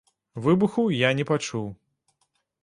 Выбуху я не пачуў.